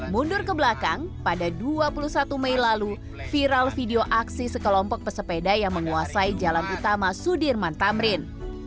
mundur ke belakang pada dua puluh satu mei lalu viral video aksi sekelompok pesepeda yang menguasai jalan utama sudirman tamrin